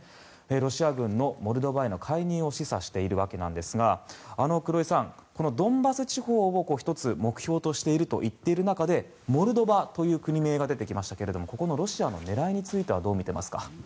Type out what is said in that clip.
ロシア軍のモルドバへの介入を示唆しているわけですが黒井さん、ドンバス地方を１つ、目標としていると言っている中でモルドバという国名が出てきましたがロシアの狙いについてはどう見ていますか。